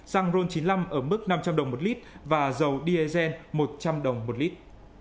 xăng ron chín mươi năm ở mức năm trăm linh đồng một lít và dầu diesel một trăm linh đồng một lít